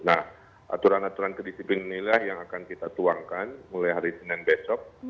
nah aturan aturan kedisiplinan inilah yang akan kita tuangkan mulai hari senin besok